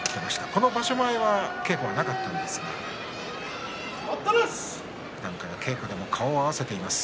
この場所は稽古はなかったんですがふだんから稽古で顔を合わせています。